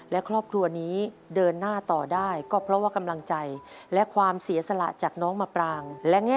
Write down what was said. และครอบครัวนี้เดินหน้าต่อได้ก็เพราะว่ากำลังใจและความเสียสละจากน้องมาปราง